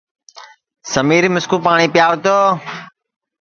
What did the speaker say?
سمیرمِسکُو پاٹؔی پیو تو